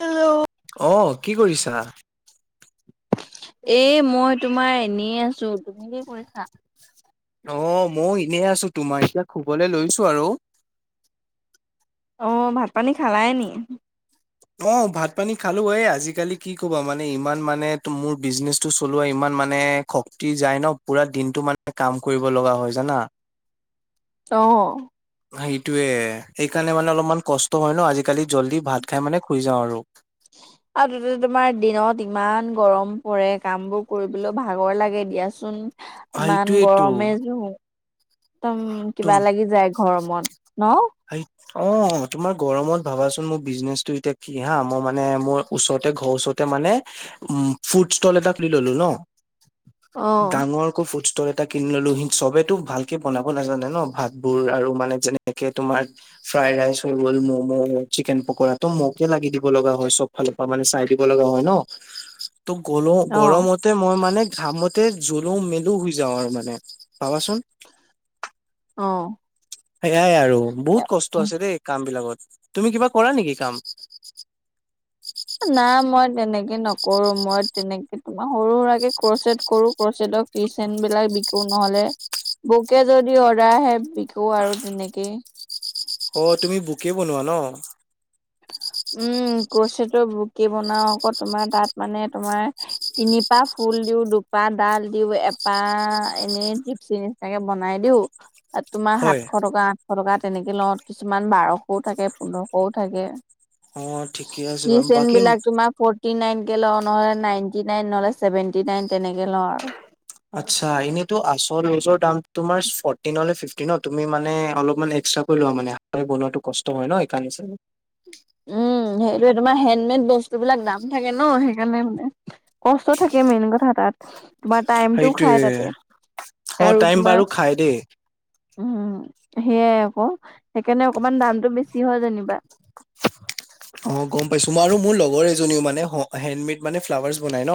Hello অ কি কৰিছা। এ মই তোমাৰ এনেই আছো তুমি কি কৰিছা? অ ময়ো এনেই আছো তোমাৰ এতিয়া শুবলৈ লৈছো আৰু। অঁহ ভাত পানী খালায় নি। অঁ ভাত পানী খালো, এ আজিকালি কি ক'বা মানে ইমান মানে মোৰ বিজনেচটো চলোৱা ইমান মানে- শক্তি যায় ন, পুৰা দিনটো মানে কাম কৰিব লগা হয় জানা। অঁহ। সেইটোয়ে সেইকাৰণে মানে অলপমান কষ্ট হয় ন, আজি কালি জল্ডি ভাত- খাই মানে শুই যাওঁ আৰু। আৰু ত তোমাৰ দিনত ইমান গৰম পৰে কামবোৰ কৰিবলৈও ভাগৰ লাগে দিয়াচোন। ইমান সেইটোৱেইটো গৰমে জো- একদম কিবা তুম লাগি যায় ঘৰমত ন। সেই অঁ তোমাৰ গৰমত ভাবাচোন মোৰ বিজনেচটো এতিয়া কি হা মই মানে মোৰ ওচৰতে ঘৰ ওচৰতে- মানে উম ফুড ষ্টল এটা খোলি ললো ন। অ ডাঙৰকে ফোউচ্ৰে। টা কিনি ললো চবেতো ভালকে বনাব নাজানে ন ভাত বোৰ আৰু মানে যেনেকে তোমাৰ। ফ্ৰাইড ৰাইচ হৈ গ'ল ম'ম' চিকেন পকৰা তটো মোকে লাগি দিব লগা হয় চব ফালে। মানে চাই দিব লগা হয় ন, ত গলো অ গৰমত। মই মানে ঘামতে জ্বল মেলো হৈ যাওঁ, আৰু মানে ভাবাচোন। অঁহ। সেয়াই আৰু বহুত কষ্ট আছে দেই কাম বিলাকত তুমি কিবা কৰা নেকি কাম? না মই তেনেকে নকৰো মই তেনেকে তোমাৰ সৰু সুৰাকে ক্ৰচড কৰো ক্ৰচছেডক। ৰিচেন্ট বিলাক বিকো নহলে, বকে যদি অৰ্ডাৰ আহে বিকো আৰু তেনেকেই। অ তুমি বুকে বনোৱা ন? উম কৰ্চিটো বকি বনাও আকৌ তোমাৰ তাত মানে তোমাৰ। তিনি পা ফুল দিও দুপা ডাল দিও এপা এনেইজিপচেনি। তাকে বনাই দিওঁ। তোমাৰ হয় সাতশ টকা আঠশ টকা তেনেকে লওঁ, কিছুমান বাৰশও থাকে পোন্ধৰশও থাকে। অ ঠিকে আছে কি বাৰু চেন বাকী বিলাক তোমাৰ ফ্ৰট। ফটি নাইন কে লওঁ নহ'লে নাইনটি নাইন নহলে চছেভেন্টি নাইন তেনেকে লওঁ আৰু। আচ্ছা এনে টো আছল নিজৰ দাম তোমাৰ ফটি নহ'লে ফিটি নত তুমি মানে অলপ মান এষ্টা। লোৱা মানে বনোৱাটো কষ্ট হয় ন সেই কাৰণে চাগে। উমঁ সেইটো তোমাৰ হেণ্ডমেড বস্তুবিলাক দাম থাকে ন সেইকাৰণে মানে। কষ্ট থাকে মেইন কথা তাত বা টাইমটোও সেইটোয়ে। খাই তাতে। অ আৰু টাইম তোমাৰ বাৰু খাই দেই। উম সেইয়াই আকৌ, সেইকাৰণে অকমান দামতটো বেছি হয় যেনিবা। অ গম পাইছো মই আৰু মোৰ লগৰ এজনীও মানে হেণ্ডমেড মানে ফ্লাৱাৰ্চ বনাই ন।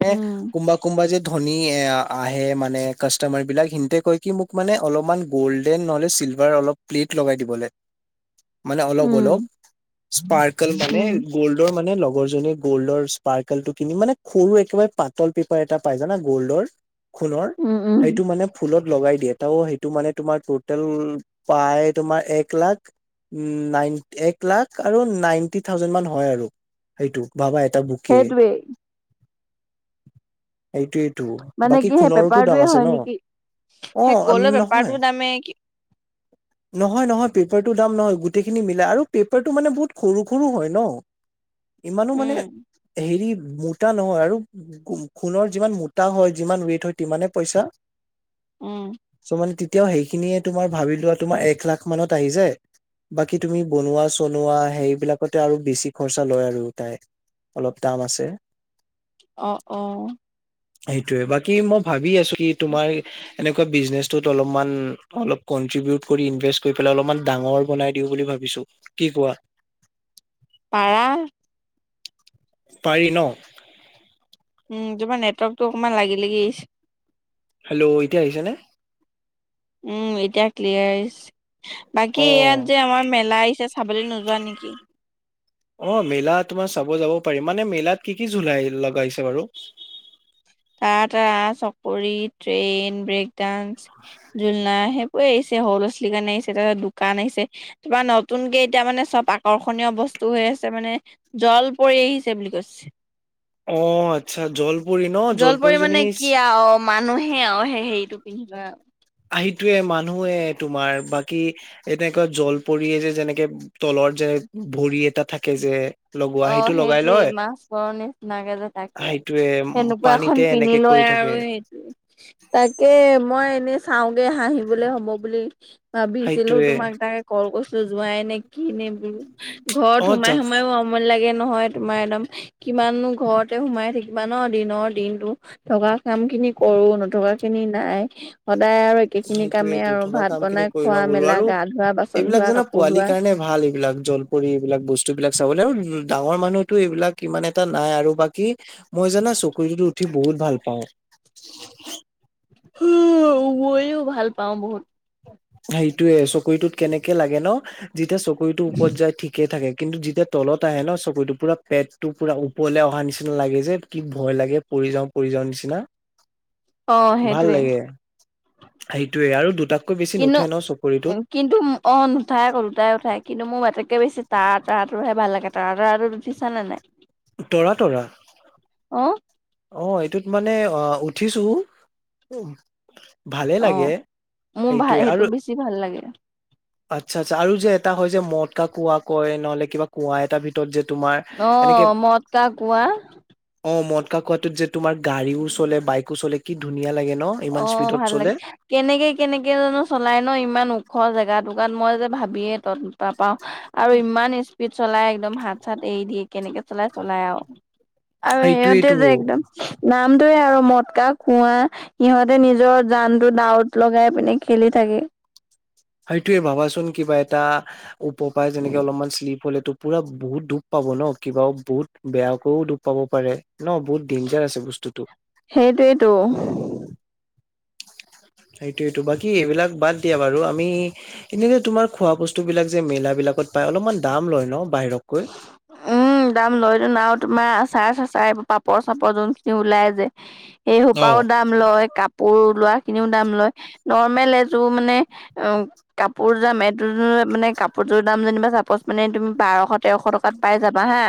তে উম, কোমবক। কোনবাজি যে ধনী এ আহে মানে কাষ্টমাৰ বিলাক সিতে কৈ কি মোক মানে অলপমান। গ'ল্ডেন নহ'লে চিলভাৰ অলপ প্লেট লগাই দিব লাগে, মানে অলপ উম, অলপ। স্পাৰ্কেল মানে। উম, গ'ল্ডৰ মানে লগৰ জীয়ে গ'ল্ডৰ স্পাৰ্কেল টো কিনি মানে সৰু একেবাৰে পাতল। এটা পাই জানা গল্ডৰ, খোণ উম, উম, সেইটো মানে ফুলত লগাই দিয়ে ত সেইটো মানে তোমাৰ ট'টেল পায় তোমাৰ এক লাখ। উম নাইন এক। লাখ আৰু নাইনটি থাউজেণ্ড মান হয় আৰু সেইটো ভাবা এটা বুকে। সেইটোৱেই এইটোৱেইটো মানে বাকী কি সেই খোণোটো দাম পেপাৰটোৱে আছে হয় ন। নেকি? সেই অঁহ গ'লৰ নহয়। বেপাৰটোৰ দামে কি নহয় নহয় পেপাৰটো দাম নহয় গোটেইখিনি মিলাই আৰু পেপাৰটো মানে বহুত সৰু সৰু হয় ন। ইমানো উম, মানে, হেৰি মোটা নহয় আৰু। খোণনৰ যিমান মোটা হয় যিমান ৱেট হয় সিমানে পইচা। উম। চ' মানে তেতিয়াও সেইখিনিয়ে তোমাৰ ভাবি লোৱা তোমাৰ এক লাখ মানত আহি যায়, বাকী তুমি। বনোৱা চনোৱা সেইবিলাকতে আৰু বেছি খৰচা লয় আৰু তাই। অলপ দাম আছে। অ অ। সেইটোয়ে বাকী মই ভাবি আছো কি তোমাৰ। এনেকুৱা বিজনেচত অলপমান অলপ কনট্ৰিবউট কৰি ইনভেষ্ট কৰি লই অলপমান ডাঙৰ বনাই দিওঁ বুলি ভাবিছো। কি কোৱা। পাৰা। পাৰি ন? উম তোমাৰ নেটৱৰ্কতটো অকণমান লাগি লাগি আহিছে। হেল্ল' এতিয়া আহিছে নে? উম, এতিয়া ক্লিয়াৰ আহিছে। অ বাকী ইয়াত যে আমাৰ মেলা আহিছে চাবলৈ নোযোৱা নিকি? অ মেলা তোমাৰ চাব যাব পাৰিম মানে মেলাত কি কি জোলাই লগাইছে বাৰু? তাৰ তা চকৰি, ট্ৰেইন, ব্ৰেক ডানস, জোলনা সেই কৈ আহিছে সৰু ল'ৰা - ছোৱালীৰ কাৰণে আহিছে তাৰপিছত দোকান আহিছে। তাৰপা নতুনকে এতিয়া মানে চব আকৰ্ষণীয় বস্তু হৈ আছে মানে জলপৰি আহিছে বুলি কৈছে। অ আচ্ছা জল জলপৰি মাণে কি আৰু মানুহে আৰু হেৰিটো পিন্ধি লয় আৰু। আহিটোৱে মানুহে তোমাৰ বাকী এনেকুৱা জলপৰিয়ে যে যেনেকে তলৰ যেনে ভৰি এটা থাকে যে? লগোৱা অ সেইটো লগাই সেইটোয়ে লয় মাছ মৰ নিচিনাকে যে তাকে সেইটোৱে উম, সেনো কুৰাখন পানীতে পিন্ধি এনেকে কৰি লয় আৰু থাকে সেই তাকে মই এনে চাওঁগে হাঁহিবলে হ'ব বুলি। ভাবিছিলো সেইটোৱে তোমাক তাকে কল কৰিছো যোৱাই নে কি নে বোৰো ঘৰত অ সোমাই জাপ সোমাইও সময় লাগে নহয় তোমাৰ একদম কিমাননো ঘৰতে সোমাই থাকিবা ন দিনৰ দিনটো থকা কামখিনি কৰো নথকাখিনি নাই, সদায় আৰু এ সেইখিনি কামেই সেইটোয়েইটো আৰু থকা ভাত কাম খিনি বনাই কৰি খোৱা লওঁ - বোলো মেলা, আৰু গা ধোৱা, বাচন এইবিলাক ধোৱা, জানা কাপোৰ পোৱালিৰ ধোৱা কাৰণে ভাল এইবিলাক জলপৰি এইবিলাক বস্তুবিলাক চাবলৈ আৰু নো ডাঙৰ মানুহতো এইবিলাক কিমান এটা নাই আৰু বাকী মই জানা চকুৰিটোতো উঠি বহুত ভাল পাওঁ। উ মইও ভাল পাওঁ বহুত। সেইটোয়ে চকৰিটোত কেনেকে লাগে ন? যেতিয়া চকৰিতো ওপৰ যায় ঠিকে থাকে কিন্তু যেতিয়া তলত আহে ন চকৰিটো পুৰা পেটটো পুৰা ওপৰলে অহা নিচিনা লাগে যে কি ভয় লাগে। পৰি যাওঁ পৰি যাওঁ নিচিনা। অ ভাল সেইটোৱে লাগে, সেইটোয়ে আৰু দুটাতকৈ বেছি নো কিন্তু ঠে ন চুকুৰিটোত। কিন্তু অ নুঠাই আক'ল দুটাই উঠাই কিন্তু মোৰটকে বেছি তাঁ তৰা তোৰহাই ভাল লাগে। তাৰা আৰুত উঠিছা নে নাই? তৰা তৰা, অ অ এইটোত মানে অ উঠিছো। উ ভালে লাগে, সেইটোৱে আৰু জি ভাল লাগে। আচ্ছা আচ্ছা আৰু যে এটা হয় যে মদকা কুৱা কয় নহলে কিবা কুঁৱা এটাৰ ভিতৰত যে তোমাৰ অ এনেকে মদ কা কোৱা। অ মদ কা কোৱাটোত যে তোমাৰ গাড়ীও চলে, বাইকো চলে কি ধুনীয়া লাগে ন? অ ইমান স্পীডত ভাল চলে লাগে। কেনেকে কেনেকে জানো চলাই ন ইমান ওখ জেগা টকাত মই যে ভাবিয়ে তত তাপাও আৰু ইমান স্পীড চলাই একদম হাত - চাত এৰি দিয়ে কেনেকে চলাই - চলাই আৰু? আৰু সিহঁতে সেইটোৱেইটো যে একদম, নামটোৱে আৰু মটকা কুৱা সিহঁতে নিজৰ জানটো ডাৱত লগাই পিনে খেলি থাকে। সেইটোৱে ভাবাচোন কিবা এটা উপপায় যেনেকে অলপমান শ্লিপ হলেটো পুৰা বহুত দুখ পাব ন কিবাও বহুত বেয়াকৈও দুখ পাব পাৰে ন, বহুত ডেইঞ্জাৰ আছে বস্তুটো। সেইটোৱেটো। সেইটোৱেটো বাকী এইবিলাক বাদ দিয়া বাৰু, আমি এনে তোমাৰ খোৱা বস্তুবিলাক যে মেলাবিলাকত পাই অলপমান দাম লয় ন বাহিৰতকৈ? উম দাম লৈত নাও আৰু তোমাৰ আচাৰ - চাচাৰ, পাপৰ - চাপৰ যোনখিনি ওলাই যে সেই সোপাও অ দাম লয়, কাপোৰ লোৱা খিনিও দাম লয়, নৰ্মেল এ টো মানে আ কাপোৰ দাম এইটোৰ মানে কাপোৰযোৰ দাম যেনিবা চাপজ মানে তুমি বাৰশত তেৰশ টকাত পাই যাবা হা,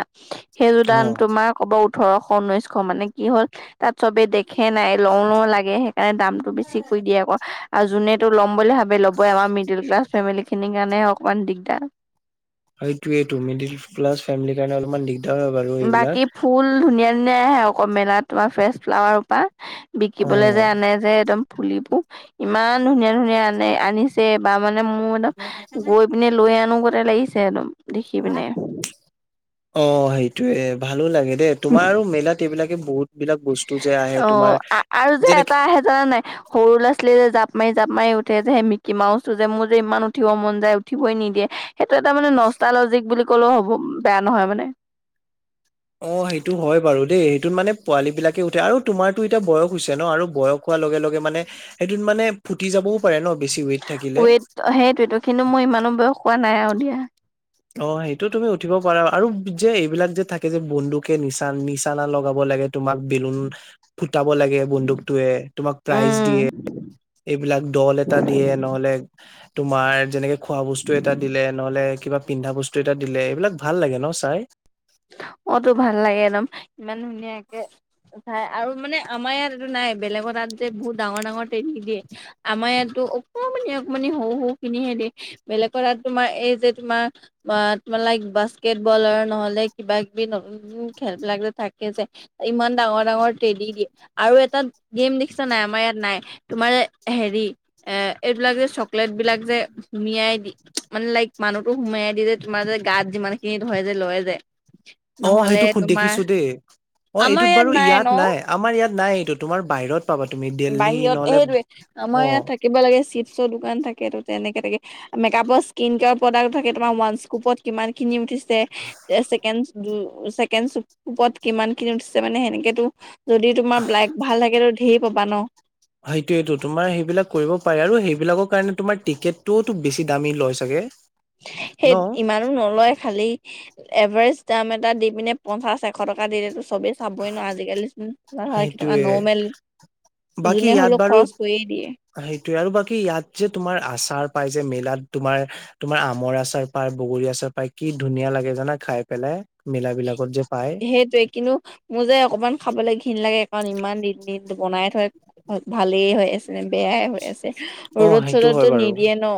সেইযোৰ দাম তোমাৰ ক'ব ওঠৰশ, ঊনৈশ মানে কি হ'ল তাত চবে দেখে নাই লওঁ লওঁ লাগে সেইকাৰণে দামটো বেছি কৰি দিয়ে আক আৰু যোনে ল'ম বুলি ভাবে লবই আমাৰ মিডিল ক্লাছ ফেমিলি খিনিৰ কাৰণে অকমান দিগদাৰ সেইটোৱেই টো মিডিল ক্লাছ ফেমেলিৰ কাৰে অলপমান দিগ বাকী ফুল ধুনীয়া ধুনীয়া আহে অক মেলাত তোমাৰ ফ্ৰেছ ফ্লাৱাৰ পা অ বিকিবলে যে আনে যে একদম পুলিবোৰ ইমান ধুনীয়া ধুনীয়া আনে আনিছে বা মানে মোৰ ন গৈ পিনে লৈ আনো গতে লাগিছে একদম দেখি পিনে অ সেইটোৱে ভালো লাগে দেই তোমাৰ আৰু মেলাত এইবিলাকে বহুত বিলাক বস্তু যে আহে অ তোমাৰ আৰু যে এটা যেনেকি আহে জানা নাই সৰু ল'ৰা ছোৱালীয়ে যে জাঁপ মাৰি জাঁপ মাৰি উঠে যে সেই মিকি মাওছোটো যে মোৰ যে ইমান উঠিব মন যায় উঠিবই নিদিয়ে সেইটো এটা মানে নষ্টা লজিক বুলি ক'লেও হ'ব বেয়া নহয় মানে অ সেইটো হয় বাৰু দেই সেইটোত মানে পোৱালী বিলাকে উঠে আৰু তোমাৰতো এতিয়া বয়স হৈছে ন আৰু বয় স হোৱাৰ লগে লগে মানে সেইটোত মানে ফুটি যাবও পাৰে ন বেছি ৱেইট থাকিলে ৱেইট সেইটোৱেটো কিন্তু মই ইমানো বয়স হোৱা নাই আৰু দিয়া অ সেইটো তুমি উঠিব পাৰা আৰু যে এইবিলাক যে থাকে যে বন্ধুকে নিচান নিচানা লগাব লাগে তোমাক বেলুন ফুটাব লাগে বন্দুকটোৱে তোমাক প্ৰাইজ দিয়ে উম এইবিলাক দল এটা দিয়ে নহলে তোমাৰ যেনেকে খোৱা বস্তু এটা দিলে নহলে কিবা পিন্ধা বস্তু এটা দিলে এইবিলাক ভাল লাগে ন চাই অ তো ভাল লাগে একদম ইমান ধুনীয়াকে চাই আৰু মানে আমাৰ ইয়াত এইটো নাই বেলেগৰ তাত যে বহুত ডাঙৰ ডাঙৰ ট্ৰেনিং দিয়ে আমাৰ ইয়াতো অকণমানি অকমানি সৰু সৰু কিনিহে দিয়ে বেলেগৰ তাত তোমাৰ এই যে তোমাৰ অ তোমাৰ লাইক বাস্কেটবলৰ নহলে কিবা কিবি নতুন নতুন খেলবিলাক যে থাকে যে ইমান ডাঙৰ ডাঙৰ ট্ৰেদি দিয়ে আৰু এটা গেম দেখিছা নাই আমাৰ ইয়াত নাই তোমাৰ যে হেৰি এ এইবিলাক যে চকলেট বিলাক যে সুমিয়াই দি মানে লাইক মানুহতো সোমিয়াই দিয়ে যে তোমাৰ যে গাত যিমান খিনি ধৰে যে লয় যে অ নহ'লে সেইটো খু তোমাৰ দেখিছো দেই অ এইটোত বাৰু ইয়াত নাই আমাৰ ইয়াত নাই এইটো তোমাৰ বাহিৰত পাবা তুমি দেল্হী বাহিৰত নহ'লে সেইটোৱে অ আমাৰ ইয়াত থাকিব লাগে চিপছৰ দোকান থাকেটো তেনেকে থাকে মেকআপৰ স্কন কেৰ প্ৰডাক্ট থাকে তোমাৰ ৱানছকুপত কিমান খিনি উঠি ছে কে ছেকেণ্ড যো ছেকেণ্ডগোপত কিমান খিনি উঠিছে মানে সেনেকেতো যদি তোমাৰ ব্লাইক ভাল থাকেতো ধেৰ পবা ন সেইটোৱেটো তোমাৰ সেইবিলাক কৰিব পাৰি আৰু সেইবিলাকৰ কাৰণে তোমাৰ টিকেট টোও তো বেছি দামী লয় চাগে ন সেইত ইমান নলয় খালি এভাৰেজ দাম এটা দি পিনে পঞ্চাশ এশ টকা দিলেটো চবে চাবই ন আজিকালি কেইটকা সেইটোয়ে নৰ্মেল বাকী যোনে ইয়াত হলেও বাৰু খৰচ কৰিয়ে দিয়ে সেইটোয়ে আৰু বাকী ইয়াত যে তোমাৰ আচাৰ পায় যে মেলাত তোমাৰ তোমাৰ আমৰ আচাৰ পায় বগৰী আচাৰ পায় কি ধুনীয়া লাগে জানা খাই পেলাই মেলা বিলাকত যে পায় সেইটোৱে কিন্তু মোৰ যে অকমান খাবলে ঘণ লাগে কাৰণ ইমান দিন দিন বনাই থয় ভালেই হৈ আছে নে বেয়াই হৈ আছে অ ৰ'দত সেইটো হয় চদততো বাৰু নিদিয়ে ন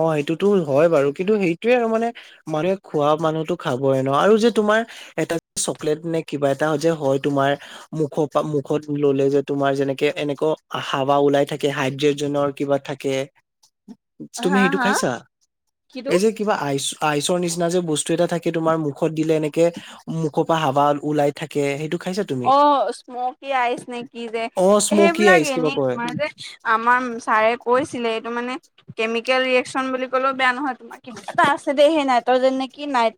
অ সেইটোতো হয় বাৰু কিন্তু সেইটোৱে আৰু মানে মানুহে খোৱা মানুহতো খাবই ন আৰু যে তোমাৰ এটা চকলেট নে কিবা এটা যে হয় তোমাৰ মুখ পা মুখত ললে যে তোমাৰ যেনেকে এনেকুৱা হাৱা ওলাই থাকে হাইড্ৰেট জেনৰ কিবা থাকে তুমি হা সেইটো হা খাইছা কিটো এই যে কিবা আইচ আইচৰ নিচিনা যে বস্তু এটা থাকে তোমাৰ মুখত দিলে এনেকে মুখৰ পা হাবা ওলাই থাকে সেইটো খাইছা তুমি? অ' স্মকি আইছ নে কি যে অ স্মকি সেইবিলাক আইচ কিবা এনেই কয় তোমাৰ যে আমাৰ ছাৰে কৈছিলে এইটো মানে কেমিকেল ৰিয়েকচন বুলি ক'লেও বেয়া নহয় তোমাক এটা আছে দে সেই নাইট্ৰজেন নেকি নাইট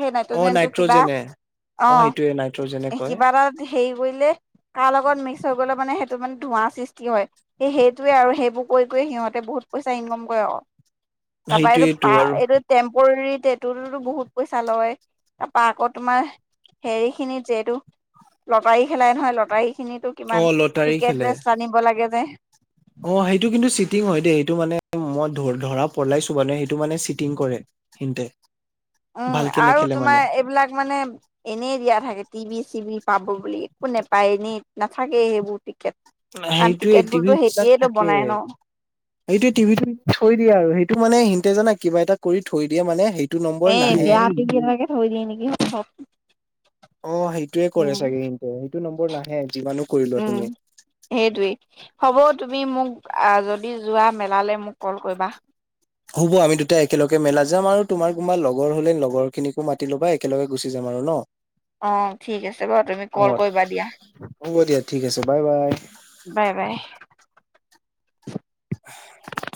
সেই অ' নাইট্ৰজেনটো কিবা নাইট্ৰজেনে অ' সেইটোয়ে নাইট্ৰজেনে কয় কিবাত হেৰি কৰিলে তাৰ লগত মিক্স হৈ গলে মানে সেইটো মানে ধোঁৱা সৃষ্টি হয় হেইটোৱে আৰু হেবোৰ কৰি কৰি সিহঁতে বহুত পইচা ইনকাম কৰে আকৌ তাপা এটো সেইটোয়েইটো পা আৰু এইটো টেম্পৰেৰী টেটো টো বহুত পইচা লয় তাৰপা আকৌ তোমাৰ হেৰি খিনিত যে এইটো লটাৰী খেলাই নহয় লটাৰী খিনিতো অ কিমান লটাৰী টিকেটছ খেলে। যে টানিব লাগে যে অ' সেইটো কিন্তু চিটিং হয় দেই সেইটো মানে মই ধ ধৰা পলাইছো মানে সেইটো মানে চিটিং কৰে [unintelligible] উম ভালকে আৰু নেখেলে মানে তোমাৰ এইবিলাক মানে এনেই দিয়া থাকে টিভি চি ভি পাব বুলি একো নোপায় এনেই নাথাকে সেইবোৰ টিকেট কাৰণ সেইটোয়ে টিকেট টিভি বোৰতো বিলাক সেতিয়েইটো থাকে বনাই ন সেইটোৱে টিভিটোত থৈ দিয়ে আৰু সেইটো মানে সিন্তে জানা কিবা এটা কৰি থৈ দিয়ে মানে সেই এ বেয়া টিভি এটাকে থৈ দিয়ে নেকি অ', সেইটোৱে কৰে উম চাগে কিন্তু সেইটো নম্বৰ নাহে যিমানো কৰিলোৱা উম তুমি সেইটোৱেই হ'ব তুমি মোক আ যদি যোৱা মেলালে মোক কল কৰিবা হ'ব আমি দুটাএকেলগে মেলা যাম আৰু তোমাৰ কোনোবা লগৰ হলে লগৰ খিনিকো মাতি ল'বা একেলগে গুচি যাম আৰু ন অ', ঠিক আছে বাৰু তুমি অ কল কৰিবা দিয়া হ'ব দিয়া ঠিক আছে বাই বাই বাই বাই [inaudible]